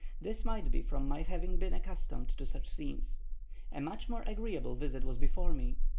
This might be from my having been accustomed to such scenes. A much more agreeable visit was before me.